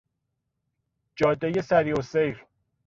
جادهی سریعالسیر